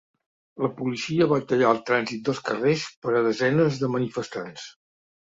La policia va tallar el trànsit dels carrers per a desenes de manifestants.